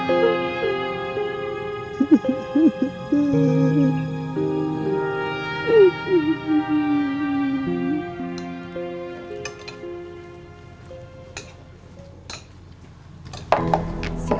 kau tidak mau